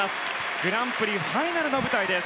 グランプリファイナルの舞台です。